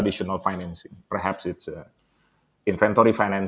keuangan yang tidak tradisional